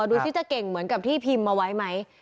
ดูสิจะเก่งเหมือนกับที่พิมพ์เอาไว้ไหม